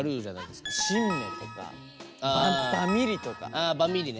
ああバミリね。